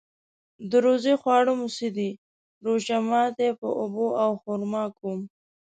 د روژې خواړه مو څه ده؟ روژه ماتی په اوبو او خرما کوم